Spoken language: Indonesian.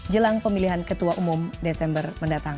jelang pemilihan ketua umum desember mendatang